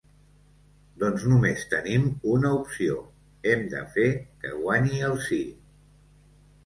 Doncs només tenim una opció: hem de fer que guanyi el sí.